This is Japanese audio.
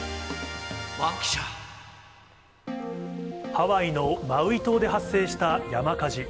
ハワイのマウイ島で発生した山火事。